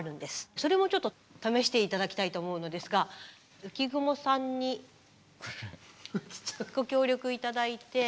それもちょっと試して頂きたいと思うのですが浮雲さんにご協力頂いて。